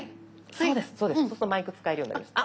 そうするとマイク使えるようになりました。